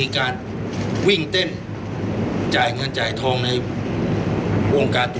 นะครับมันก็มีส่วนหนึ่งนะครับแล้วเวลาผมย้างมาก็มีคนย้างออกไปทำ